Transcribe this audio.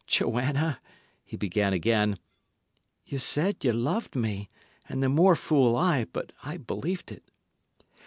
"Joanna," he began again, "ye said ye loved me; and the more fool I, but I believed it!"